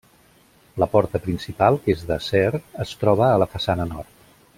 La porta principal, que és d'acer, es troba a la façana nord.